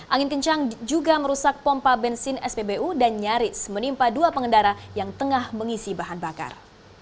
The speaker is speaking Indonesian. angin kencang juga merusak pompa bensin spbu dan nyaris menimpa dua pengendara yang tengah mengisi bahan bakar